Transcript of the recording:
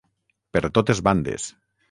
Per totes bandes.